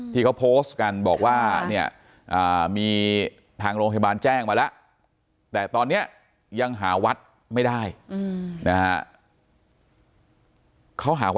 ที่เขาโพสต์กันบอกว่าเนี่ยมีทางโรงพยาบาลแจ้งมาแล้วแต่ตอนนี้ยังหาวัดไม่ได้นะฮะ